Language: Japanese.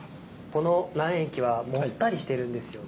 この卵液はもったりしてるんですよね。